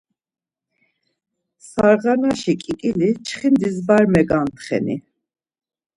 Sarğanaşi ǩiǩili, çxindis var megantxeni?